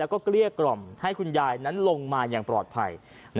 แล้วก็เกลี้ยกล่อมให้คุณยายนั้นลงมาอย่างปลอดภัย